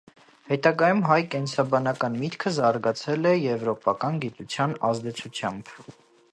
Հետագայում հայ կենսաբանական միտքը զարգացել է եվրոպական գիտության ազդեցությամբ։